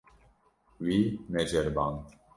Wî neceriband.